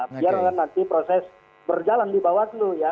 nah biar nanti proses berjalan di bawaslu ya